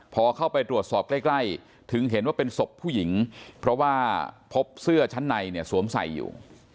พอเข้าไปตรวจสอบใกล้ถึงเห็นว่าเป็นศพผู้หญิงเพราะว่าพบเสื้อชั้นในเนี่ยสวมใส่อยู่